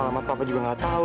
lama papa juga gak tau